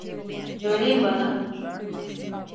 Söyleyin bana…